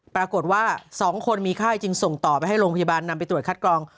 ปรากฏว่า๒คนมีไข้จึงส่งต่อไปให้โรงพยาบาลนำไปตรวจคัดกรอง